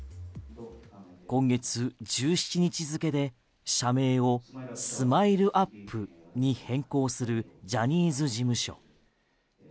今月１７日付で、社名をＳＭＩＬＥ−ＵＰ．に変更するジャニーズ事務所。